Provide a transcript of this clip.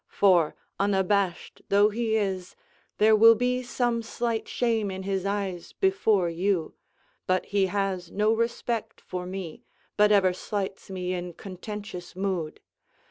For unabashed though he is, there will be some slight shame in his eyes before you; but he has no respect for me, but ever slights me in contentious mood.